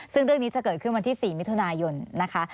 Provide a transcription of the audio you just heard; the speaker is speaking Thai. ซึ่งเรื่องนี้จะเกิดขึ้นวันที่๔มิถุนายนนะคะ